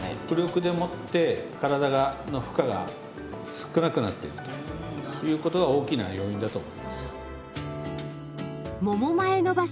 浮力でもって体の負荷が少なくなっているということが大きな要因だと思います。